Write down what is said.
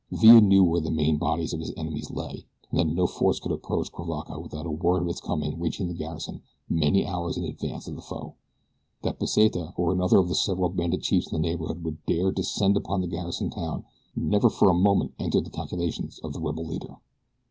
Villa knew where the main bodies of his enemies lay, and that no force could approach Cuivaca without word of its coming reaching the garrison many hours in advance of the foe. That Pesita, or another of the several bandit chiefs in the neighborhood would dare descend upon a garrisoned town never for a moment entered the calculations of the rebel leader.